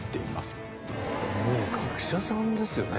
もう学者さんですよね。